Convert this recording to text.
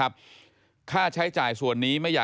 พบหน้าลูกแบบเป็นร่างไร้วิญญาณ